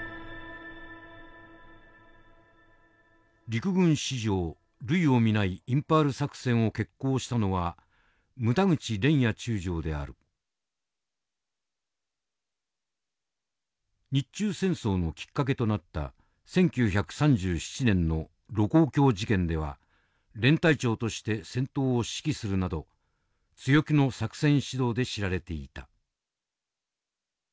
陸軍史上類を見ないインパール作戦を決行したのは日中戦争のきっかけとなった１９３７年の盧溝橋事件では連隊長として戦闘を指揮するなど強気の作戦指導で知られていた。